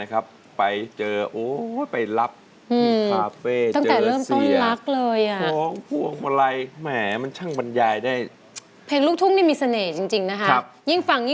ความรักเหยะก็เลยเป็นน้ำตาย